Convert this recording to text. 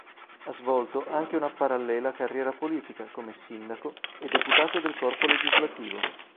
Ha svolto anche una parallela carriera politica come sindaco e deputato del corpo legislativo.